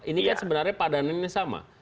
ini kan sebenarnya padanan ini sama